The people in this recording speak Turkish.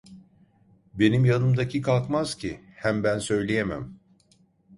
Benim yanımdaki kalkmaz ki; hem ben söyleyemem.